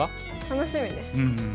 楽しみです。